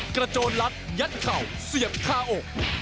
กระโจนลัดยัดเข่าเสียบคาอก